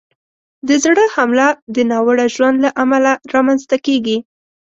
د زړه حمله د ناوړه ژوند له امله رامنځته کېږي.